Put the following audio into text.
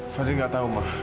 fadil gak tahu ma